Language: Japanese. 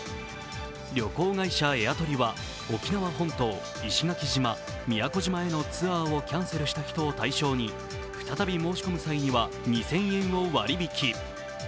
旅行会社エアトリは沖縄本島、石垣島、宮古島への旅行をキャンセルした人を対象に再び申し込む際は２０００円を割り引き。